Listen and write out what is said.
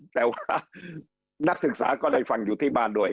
แต่ว่านักศึกษาก็ได้ฟังอยู่ที่บ้านด้วย